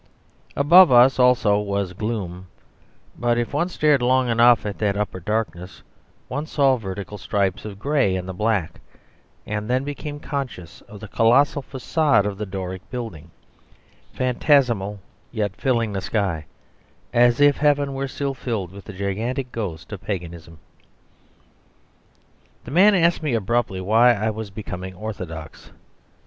Above us also it was gloom; but if one stared long enough at that upper darkness, one saw vertical stripes of grey in the black and then became conscious of the colossal façade of the Doric building, phantasmal, yet filling the sky, as if Heaven were still filled with the gigantic ghost of Paganism. ..... The man asked me abruptly why I was becoming orthodox.